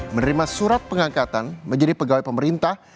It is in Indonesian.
menerima surat pengangkatan menjadi pegawai pemerintah